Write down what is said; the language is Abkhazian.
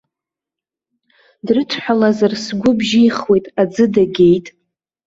Дрыдҳәалазар сгәы бжьихуеит, аӡы дагеит!